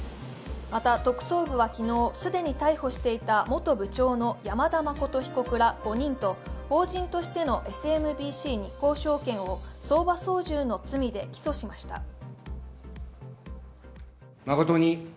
また、特捜部は昨日、既に逮捕していた元部長の山田誠被告ら５人と法人としてのＳＭＢＣ日興証券を相場操縦の罪で起訴しました。